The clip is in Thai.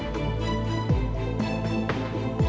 ไปใช่แล้ว